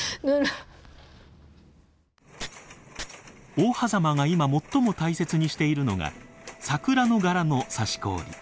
大峽が今最も大切にしているのが桜の柄の刺し子織。